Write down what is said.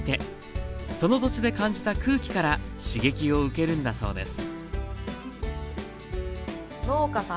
その土地で感じた空気から刺激を受けるんだそうです